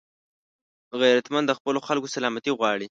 غیرتمند د خپلو خلکو سلامتي غواړي